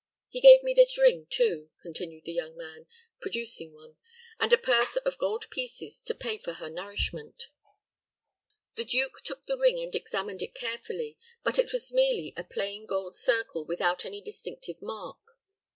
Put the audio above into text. He gave me this ring, too," continued the young man, producing one, "and a purse of gold pieces to pay for her nourishment." The duke took the ring and examined it carefully; but it was merely a plain gold circle without any distinctive mark.